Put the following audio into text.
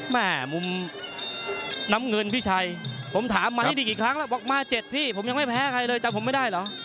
มุมน้ำเงินพี่ชัยผมถามมานี่กี่ครั้งแล้วบอกมา๗พี่ผมยังไม่แพ้ใครเลยจำผมไม่ได้เหรอ